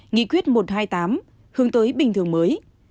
nghị quyết một trăm hai mươi tám hướng tới bình thường mới